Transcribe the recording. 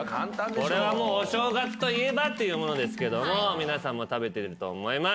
これはもうお正月といえばっていうものですけども皆さんも食べてると思います。